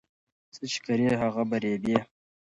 څه چې کري هغه به رېبې